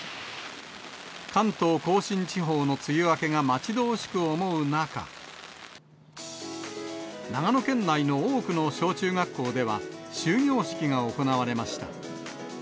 関東甲信地方の梅雨明けが待ち遠しく思う中、長野県内の多くの小中学校では、終業式が行われました。